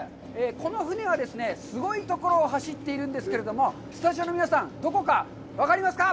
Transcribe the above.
この船はですね、すごいところを走っているんですけれども、スタジオの皆さん、どこか分かりますか？